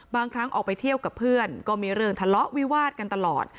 บางครั้งออกไปเที่ยวกับเพื่อนก็มีเรื่องทะเลาะวิวาดกันตลอด